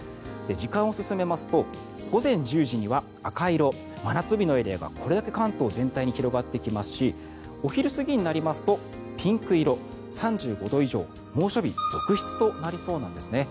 時間を進めますと午前１０時には赤色真夏日のエリアがこれだけ関東全体に広がってきますしお昼過ぎになりますとピンク色、３５度以上猛暑日続出となりそうなんです。